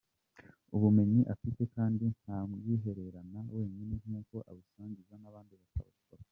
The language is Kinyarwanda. ubumenyi afite kandi ntabwihererana wenyine kuko abusangiza n’abandi bakobwa.